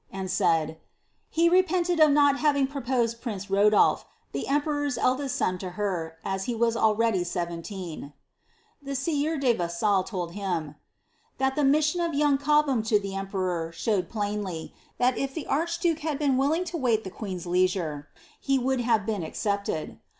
and said, " he re pented of not having proposed prince Kodnlph, the emperor's eldest son to her, as he was already sevenlecii." The sieur de Vassal tokl him, " that the mission of young Cobham to the emperor showed plainly, (hat if the archduke had been willing to wait the queen's leisure, he would have been accepted."